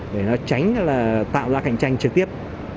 để nó tránh tạo ra cạnh tranh trực tiếp